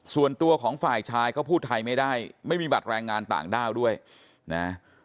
ส่วนตัวของฝ่ายชายก็พูดไทยไม่ได้ไม่มีบัตรแรงงานต่างด้าวด้วยนะ